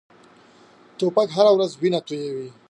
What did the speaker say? توپک هره ورځ وینه تویوي.